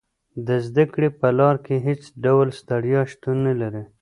د زده کړې په لار کې هېڅ ډول ستړیا شتون نه لري.